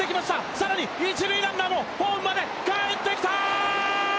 さらに、一塁ランナーもホームまで帰ってきたー！